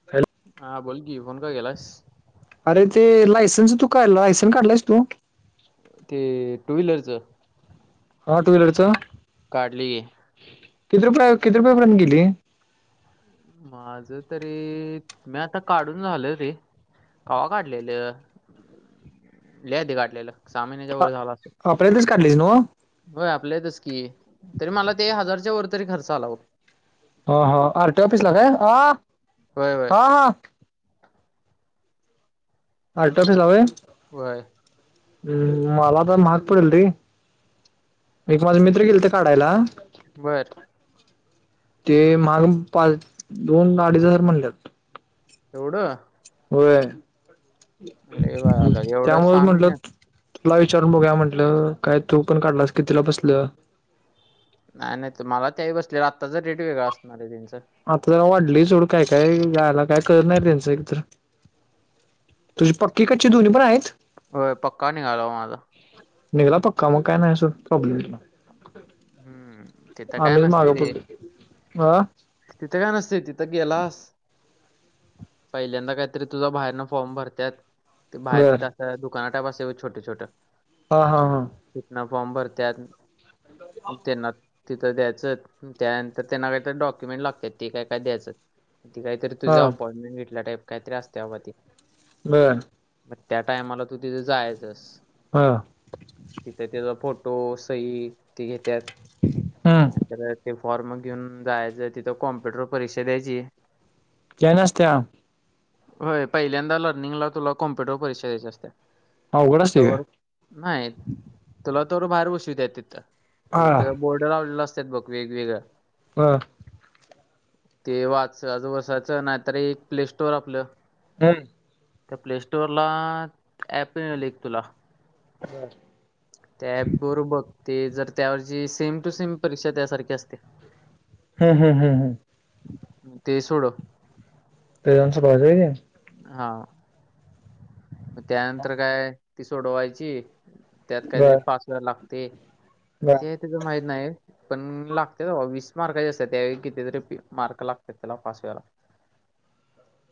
[inaudible] हा बोल की, फोन का केलास. अरे ते लायसनस तू का लायसनस काढलायस तू- ते टू व्हीलरचं. हा टू व्हीलर च काढली किती रुपयाला आहे ओ किती रुपय पर्यंत गेली. माझ तरी मी आता काढून झाल रे. कवा काठलेलं लदीी काठलेलं सामनच्या वर झाल अस. वाप्रतेस काढलीसनव होय आपल्यातच की तरी मला ते हजारच्या वर तरी खर्च आला बग ह हो आरटी ऑफिस ला काय ह होय होय हा हा. आर्ट ऑफिसला होय. वय हम् मला तर माहाग पडल रे. एक माझा मित्र गेल त काढायला बर ते महाग पाच दोन अडीच हजार म्हलेत. एवढं. होय लय बा आलं एवढं त्यामुळेच सहा म्हंटलं. महिन्यात तुला विचारून बघू म्हटलं काय तू पण काढलास की तिला बसलं. नाय नाय तुम्हाला तेही बसले आत्ताच रेट वेगळा असणार आहे त्यांचं आता जरा वाढलय सोड काय काय गायला काय कर नाही त्यांचं एकतर तुझी पक्की कच्ची दो्नी पण आहेत. होय पक्का नि गाला वा माझा निघला पक्का मग काय नाही अस प्रॉब्लेम हम्म तिथं काय आम्हीच माग पडलोय अह. तिथे काय नसते तिथं गेलास. पहिल्यांदा काहीतरी तुझा बाहेरन फॉर्म भरत्यात ते बाहेर बर तिथ अस दुकाना टापस छोटे छोटं. हा हा हा. तिकन फॉर्म भरत्यात. त्यांना तिथं द्यायचं त्यानंतर त्यांना काहीत डॉक्युमेंट लागत ते काय काय द्यायचं. ती काहीतरी हा तुझं अपॉइंटमेंट घेतल्या टईप काहीतरी असते बाबा ती म मग त्या टायमाला तू तिथं जायचस हा तिथे त्याचा फोटो सई ते घेतात हम्म त्यानंत ते फॉर्म घेऊन जायचं तिथं कॉम्प्युटर परीक्षा द्यायची. कसते्याम. होय पहिल्यांदा लर्निंगला तुला कॉम्प्युटर परीक्षा द्यायची असत्या. हा उघड अस्ट आहे. नाय तुला तर बाहेर बसू द्या तिथं हा त्या हा बोर्डर लावलेला असतात बघ वेगवेगळं. हा. ते वाच अज वर्साचं नाहीतर एक प्ले स्टोर आपलं. हम्म. त्या प्ले स्टोअर ला ऍप मिळेल एक तुला बर. त्या ॲप वर भग ते जर त्यावरची सेम टू सेम परीक्षा त्यासारखी असते. हा हा हा हा ते सोडून [unintelligible] हा! मग त्यानंतर काय ती सोडवायची. त्यात ते काहीतरी बर पास व्हा लागते बर ते तिच माहित नाही. पण लागत्यात बाबा वीस मार्काची असत्यात त्यावेळी किती तरी मार्क लागतात त्याला पास व्हायला.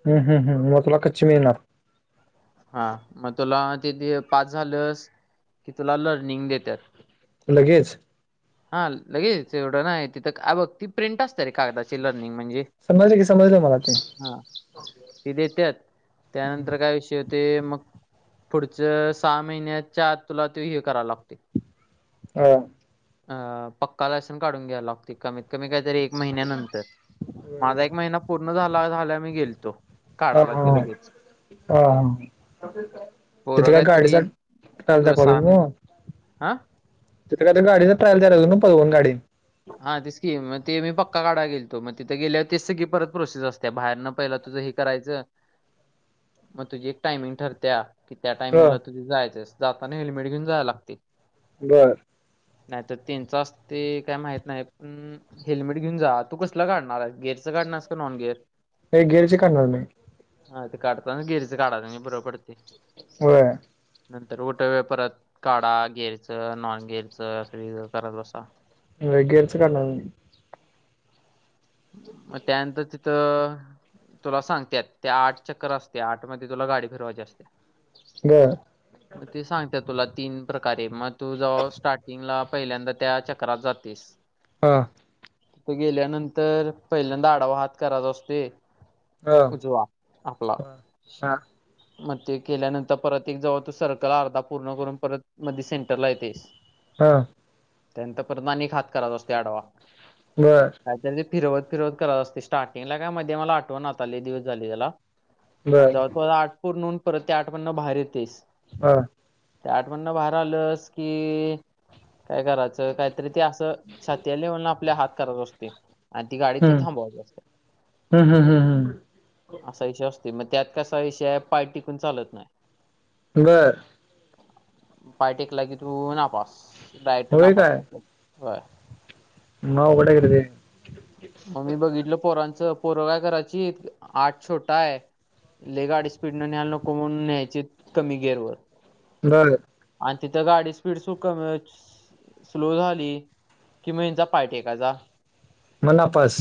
हम् हम् हम मग तुला कच्ची मिळणार. हा मग तुला तिथे पास झालंस की तुला लर्निंग देत्यात. लगेच. हा लगेच एवढं न्हाय तिथं अ बघ ती प्रिंट असत्या रे कागदाची लर्निंग म्हणजे. समजलं की समजलं मला ते. हा ते देत्यात त्यानंतर काय विषय होतोय मग पुढच सहा महिन्याच्या आत तुला तो हे कराव लागत. अया! अं पक्का लायसन काढून घ्याय लागते कमीत कमी काहीतरी एक महिन्यानंतर माझा एक महिना पूर्ण झाला झाला मी गेलतो काढाला ते लगेच. ह तिथे पोरं काय काहीतरी गाडीचा पार्ट दाखवालोय ओ. आ! इथं काय तर गाडीचा ट्रायल द्याल्यात पळवून गाडी. हा तेच की मग ते मी पक्का काढाय गेलतो मग तिथे गेल्यावर तेच सगळी परत प्रोसेस असत्या बाहेरन पहिला तुझं एक करायचं! ह [unintelligible] मग तुझी एक टायमिंग ठरत्या. कि त्या ह टाइमिंगला तु तिथं जायचंस जाताना हेल्मेट घेऊन जायला लागते. बरं! नाही तर त्यंच असते काय माहित नाही हेल्मेट घेऊन जा तू कसलं काढणार आहेस. गेअरचं काढणारस का नॉन गेर एक गिअरची काढणार मी आ ते काढताना गिअर चे काढायच म्हणजे बर पडते. होय! नंतर उठ वेळ परत काढा गेरचं नॉन गेरचं अस करत बसा. लगेच काढणार मी. मग त्यानंतर तिथं तुला सांगत्यात आठ चक्कर असत्या आठ मध्ये तुला गाडी फिरवायची असते. बर! ते सांगत्यात तुला तीन प्रकारे मग तू जवळ स्टार्टिंगला पहिल्यांदा त्या चक्रात जातेस. हा! तिथ गेल्यानंतर पहिल्यांदा आडावा हात कराचा असतोय. हा उजवा आपला. हा मग ते केल्यानंतर परत एक जवळ तु सर्कल अर्धा पूर्ण करून परत मधी सेंटरला येते. आ! त्यांत परत आणि हात करायचा असतोय आढवा. बरं! ते फिरवत फिरवत करायच असते स्टार्टिंगला काय मध्ये मला आठवणा आता लय दिवस झाले हेला. आणि बर जवळ पूर आठ पूर्ण परत ते आठ मधनं बाहेर येतेस. हा! ते आठ मधनं बाहेर आलंस की काय करायचं काय त ते असं छातीयाले म्हणून आपल्या हात करत असते आणि ती गाडी हम्म त थांबवायत अस असत हम्म हम्म हम्म असा विषय असतो मग त्यात कसा विषय पार्टीिकून चालत नाही बरं पाय टेकला की तू नापास डायक्ट होय नापास काय [unintelligible] मग मी बघितलं पोरांचं पोरं काय करायची आठ छोट हाय. लय गाडी स्पीड न न्यायला नको म्हणून न्यायची कमी गेअर वर बर आणि तिथं गाडी स्पीड सुू कमीच स्लो झाली कि म यांचा पायटेकाचा. मुनाफस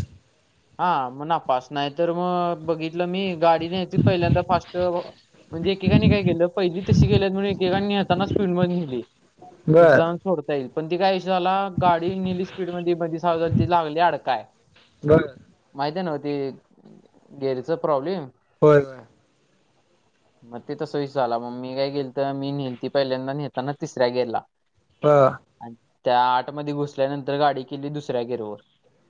हा मग अपास नाही तर मग बघित मी गाडी न्यायची पहिल्यांदा फास्ट म्हणजे एकेकाने काय केलं पहिली तशी गेल्या नेताना स्पीड मध्ये नेली तिथे बर जाऊन सोडता येईल पण ती कायष झाला गाडीली स्पीड मध्ये मधी साती लागली अडकाय ब माहिती नव्हती गेरीचा प्रॉब्लेम होयय मग ते तसोय झाला मग मी काय गेल तर मी नेलती पहिल्यांदा नेताना तिसऱ्या गेला हा आणि त्या आठमध्ये घुसल्यानंतर गाडी केली दुसऱ्या गेरोवर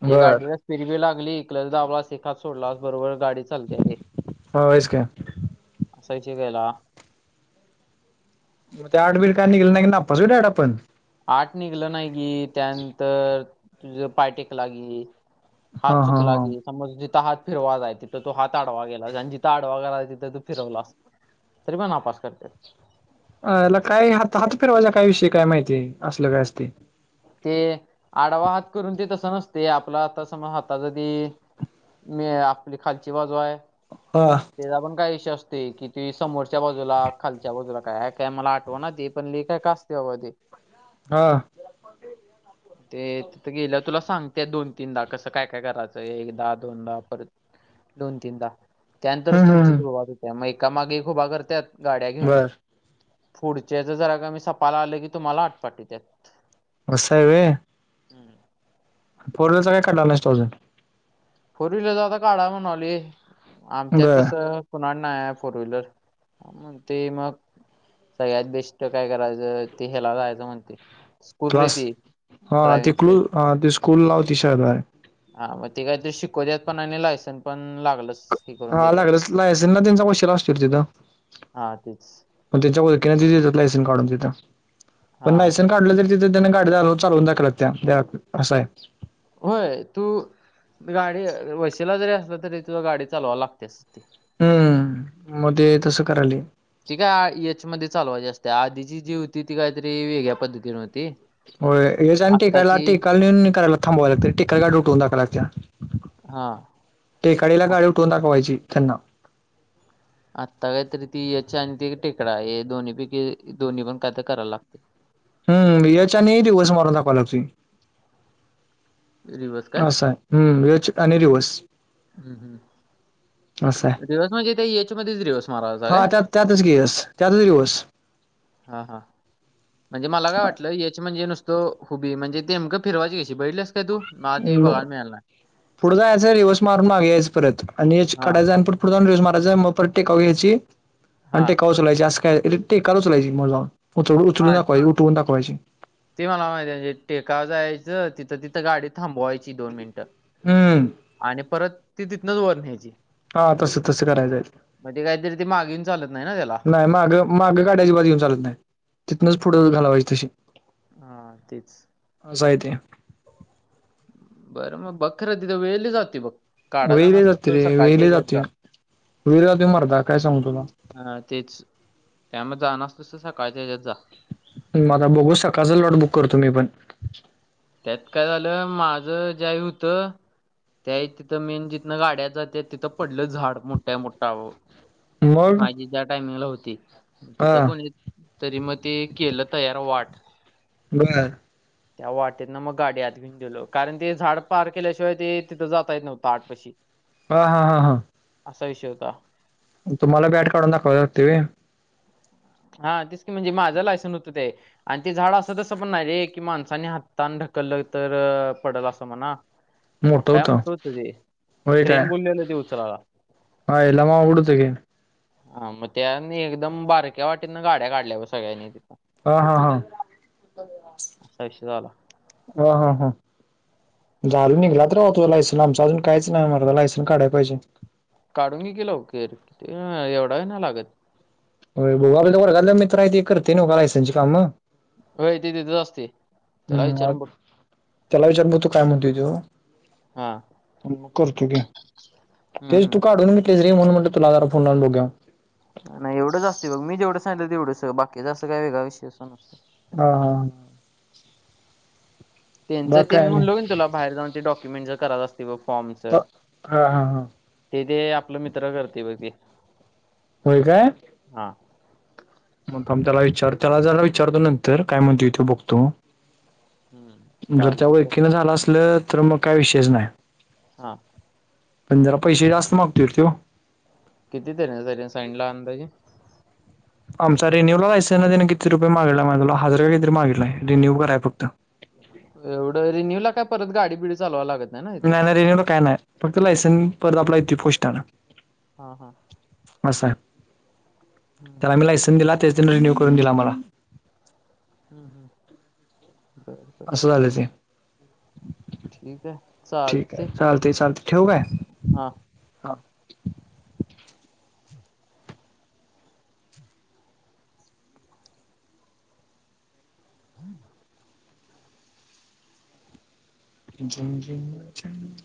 बर गाडी फिरवी लागली इकल दावला एखाद सोडलास बरोबर गाडी चालते रे हा होयच काय असायचीिकयला मग ते आठ बल काय निघेलं नाी नाचठ आपण आठ निघलं नाही गी त्यानंतर तुझ पायटेकला गी हा हात चुक हा लाग समज जिथ हात फिरवा जाय तिथं तो हात आडवा गेला आणि जिथ आडवा गेला तिथं तो फिरवला अस तरी मण नापास करते अ याला काय हात हात फेरवाज्या काय विषयी काय माहिती असलं काय असते ते आडावा हात करून ते तसं नसते आपलं आता समज हात जरी मी आपली खालची बाजू आहे हा त्याचा पण काय विषय असते की त समोरच्या बाजूला खालच्या बाजूला काय काय मला आठव ना ते पण लि काय काय असत ह ते हा ते तिथं गेलं तुला सांगतेय दोन तीनदा कसं काय काय करायचंय एकदाहा दोनदा परत दोन तीनदा त्यानंतरच हम्म तुमच्या हम्म सुरुवात होते मग एका मागे खुभ करतत गाड्या घेऊन बर पुढच्याच जरा का मी सपाला आलो की तुम्हाला आटपाट यत आहेत बसा आहेवे हम्म फोर्हीलर काटालांड फोर व्हीलरचा आता काढा म्हणाली आमच्यात बर कसं कनड नाही आहे फोर व्हीलर मण ते मग सगळ्यात बेस्ट काय करायचं ते ह्याला जायचं म्हणते स्कूल रे क्लास ती हा तेी ड्रायव्हिंग क्लू स्कूल हा ती स्कूल लावती शवारे हा मग ते काहीतरी शिकव द्यात पण आणि लायसन पण लागलच हा लागड लायसेनस ना त्यांचा पैशेला असतील तिथं हा तेच त्यांच्या ओळी त लायन काढून तिथ हा पण लायन काढलं तरी तिथ त्यांना गाडीदार चालून दाखवत त्या असं आहे होय तू गाडी वशीला जरी असलं तरी तुझ गाडी चालवाला लागतेस त हम्म मध्ये तसं करायल ठीकय आ एच मध्ये चालवायची असते आधीची जी होती ती काहीतरी वेगळ्या पद्धतीने होती हो हे जा टेकायला आत्ताची टिककाला करायला थांबाव लाग टिकाल गा उठवून दाखव लागत हा टेकाडीला आ- गाडी उठवून दाखवायची त्यानं. आत्ता काहीतरी ती याच्या आणि त टेकडा हे दोन्ही पैकी दोन्ही पण काय तर करायला लागते हम्म याच्याने दिवस म्हरो दाखवायलगतोय. इरिव्हर्स असा आहे एच आणि रिवस हम् हम असं आहे रिव्हर्स म्हणजे ते एच मध्येच रिव्हर्स मारावाच हाय हा काय. त्यात त्यातच की यस त्यातच हा हा. म्हणजे मला काय रिव्हर्स वाटलं एच म्हणजे नुसत हुबी म्हणजेकं फिरवाची कशी बघितलाय काय तू. मला ते बघायला मिळालं नाही पुढं जायचंय रिवर्स मारून मागे यायचं परत आणि एच हा कढायच आणि पू.. पुढ जाऊस रिव्हर्स मारायचं मग पर टेकाऊ घ्यायची आणि हा टेकाव उचलायची असं काय टेकला चलायची मग जाऊन. उचलून हा दाखवायची उठून दावायची. ते मला माहिती आहे टेकाव जायचं तिथं तिथं गाडी थांबवायची. दोन मिनट हम्म आणि परत ती तिथनच वर न्यायची. हा तसं तसं करायचं आहे मग काहीतरी ते मागेन येऊन चालत नाही ना त्येला. माग मागं गाडीअजीबात घऊन चालत नाही तिथूनच पुढं घालावायची तशी. हा तेच. असं हाय ते बरं मग बखरा तिथं वेळ लाय जातोय बघ. काढा वेळ जाणार असलं जाते तर रे वेळ सकाळच्या ह्याच्यात जातोय जा वेळ जातो मर्दा काय सांगू तुला. हा तेच त्यामध्ये जाणार असतस तर सकाळच्या हच्यात जा. हुं बघू सकाळचं लॉट बुक करतो मी पण. त्यात काय झालं माझं ज्या वेळी होतं. त्या तिथं मेन जिथनं गाड्या जाते तिथं पडलं झाड मोठ्या मोठ्या. मग माझी ज्या टाइमिंगला होती तिथं हा कोणी. तरी मग ते केलं तयार वाट. बर त्या वाट तिथंन मग गाडी हात घेऊन गलो कारण ते झाड पार केल्याशिवाय ते तिथं जातय नव्हं आठ पशी हा हा हा हा असा विषय होता. तुम्हाला आठ काढून दाखवायला लागते होय. हा तेच की म्हणजे माझं लायसन होतं ते आणि ते झाड असं तसं पण नाही रे की माणसानी हातने ढकललं तर पडल असं म्हणा मोठाय मोठं होत ते क्रेन बोललेलं ते उचलाला आईला मग अवघड हुतकी. हा मग त्यानी एकदम बारक्या वाटीना गाड्या काढल्या सगळ्यांनी तिथं. हा हा हा असा विषय झाला. ह ह हा झाल निघलात राह तु लायसन आमचा अजून काहीच नाही मला लायसन काढाय पाहिजे. काढून घे की लवकर कि एवढा वेळ नाही लागत. होय [unintelligible] वर्गातल्या मित्र हाय ते करतेय नव काम [unintelligible] कामं होय ते तिथंच असत्य हम्म त्याला विचार [unintelligible] तो काय म्हणतोय त्यो हा करतो की हम्म तेच तू हम्म काढून [unintelligible] म्हणून म्हणल तुला जरा फोन लावून बघूया नाही एवढचं असती मी जेवढं सांगितल तेवढंच बाकीच जास्त काही वेगळा विषय असा नसतो.... हा हा........ त्यांच बाकी ते मी काय नाही म्हणलो की तुला बाहेर जाऊन ते डाॅक्युमेंट च करार असते बघ..... फॉर्मच हा हा हा ते ते आपलं मित्र करते बघ ते... होय काय हा थांब थांब त्याला विचार त्याला जरा विचारतो नंतर काय म्हणतोय ते बघतो हम्म जर चालते बघ त्यावलकीच झालं असलं तर मग काय विषयच नाही. हा... पण जरा पैसे जास्त मागतोय र तो... किती तरी हजार सांगितला अंदाजे.... आमचा रिन्यू ला लायसन त्याने किती रुपये मागीतला हजार किती तर मागीतलय रिन्यू करायला फक्त.... एवढं रिन्यू ला काय परत गाडी बिडी चालवाव लागत नाही... ना इथं नाही नाही रिन्यू ला काय नाही फक्त लायसन परत आपला येतो पोस्टान..... हा हा.... असाय हम्म, तर हम्म, आम्ही लायसन दिला त्याच त्यांनी रिन्यू करून दिला आम्हाला..... हम्म हम्म बरं..... बरं असं झालं ते ठीक ठीक आहे ठीक चालते आहे चालते चालते ठेवू काय? हा.... हा. [unintelligible] झिंंम झिंंन झंन..